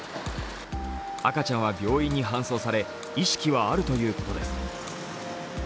赤ちゃんは病院に搬送され、意識はあるということです。